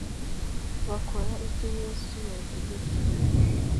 bakora ibyo yesu yabategetse